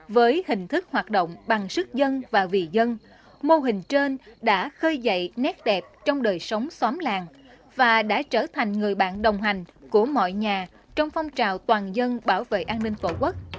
với hình thức hoạt động bằng sức dân và vì dân mô hình trên đã khơi dậy nét đẹp trong đời sống xóm làng và đã trở thành người bạn đồng hành của mọi nhà trong phong trào toàn dân bảo vệ an ninh phổ quốc trên địa bàn của xã